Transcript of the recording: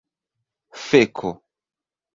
feko